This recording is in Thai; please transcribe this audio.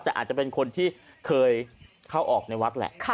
แต่อาจจะเป็นคนที่เคยเข้าออกในวัดแหละ